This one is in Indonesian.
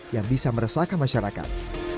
yang bisa meresalkan masyarakat